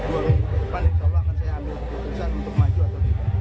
dua minggu depan insya allah akan saya ambil keputusan untuk maju atau tidak